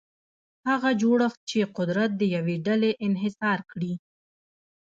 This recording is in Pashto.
هغه جوړښت چې قدرت د یوې ډلې انحصار کړي.